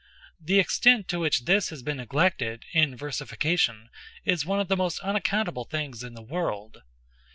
The extent to which this has been neglected, in versification, is one of the most unaccountable things in the world.